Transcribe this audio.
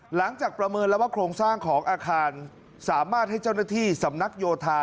ประเมินแล้วว่าโครงสร้างของอาคารสามารถให้เจ้าหน้าที่สำนักโยธา